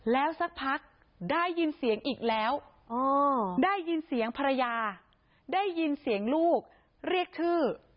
แล้วสักพักได้ยินเสียงอีกแล้วได้ยินเสียงภรรยาได้ยินเสียงลูกเรียกชื่อ